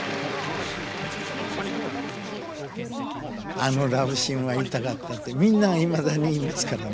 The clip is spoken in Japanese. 「あのラブシーンは痛かった」ってみんながいまだに言いますからね。